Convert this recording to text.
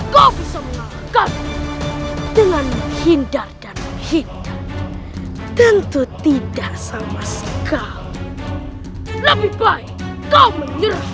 kau bisa mengalahkan dengan menghindar dan hinder tentu tidak sama sekali lebih baik kau menyerah